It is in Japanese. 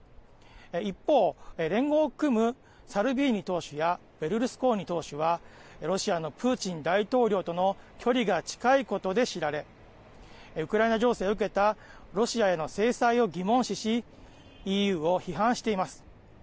一方、連合を組むサルビーニ党首やベルルスコーニ党首はロシアのプーチン大統領との距離が近いことで知られウクライナ情勢を受けたロシアへの制裁を疑問視しＥＵを批判しています。